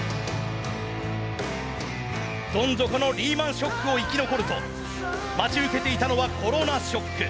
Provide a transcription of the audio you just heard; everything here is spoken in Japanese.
どん底のリーマン・ショックを生き残ると待ち受けていたのはコロナショック。